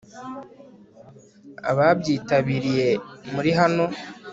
ababyitabiriye muri hano